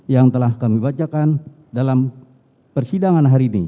yang telah kami bacakan dalam persidangan hari ini